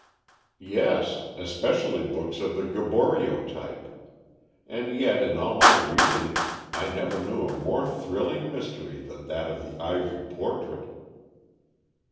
"Yes, especially books of the Gaboriau type. And yet, in all my reading, I never knew a more thrilling mystery than that of the ivory portrait."